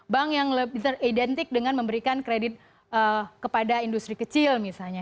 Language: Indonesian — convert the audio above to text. bank yang lebih teridentik dengan memberikan kredit kepada industri kecil misalnya